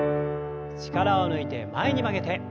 力を抜いて前に曲げて。